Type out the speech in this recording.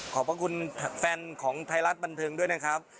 ขอบคุณแฟนของไทยรัฐบันเทิงด้วยนะครับ